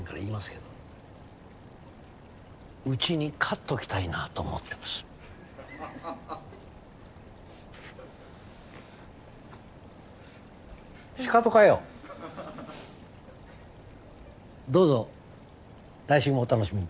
どうぞ来週もお楽しみに。